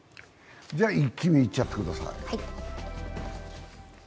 「イッキ見」いっちゃってください。